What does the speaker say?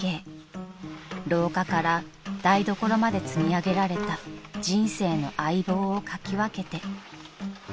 ［廊下から台所まで積み上げられた人生の相棒をかき分けて］